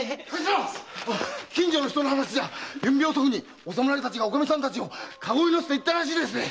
近所の人の話じゃ昨夜遅くにお侍たちがおかみさんたちを駕籠に乗せていったらしいです！